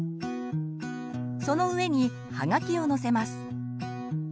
その上にハガキをのせます。